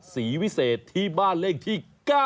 ศรีวิเศษที่บ้านเล่งที่